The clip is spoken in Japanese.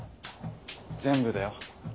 全部だよ。